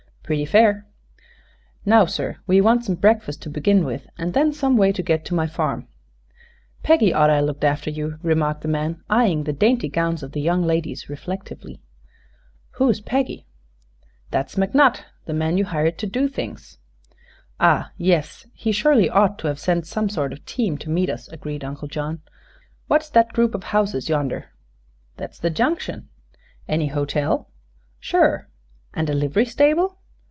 "Pretty fair." "Now, sir, we want some breakfast, to begin with, and then some way to get to my farm." "Peggy orter 'a' looked after you," remarked the man, eyeing the dainty gowns of the young ladies reflectively. "Who's Peggy?" "That's McNutt, the man you hired to do things." "Ah, yes; he surely ought to have sent some sort of a team to meet us," agreed Uncle John. "What's that group of houses yonder?" "Thet's the Junction." "Any hotel?" "Sure." "And a livery stable?"